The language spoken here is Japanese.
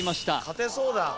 勝てそうだ